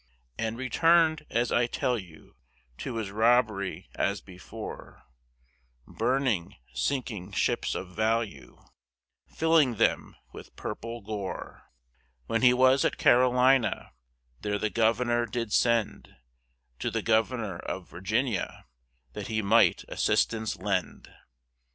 And returned, as I tell you, To his Robbery as before, Burning, sinking Ships of value, Filling them with Purple Gore; When he was at Carolina, There the Governor did send To the Governor of Virginia, That he might assistance lend.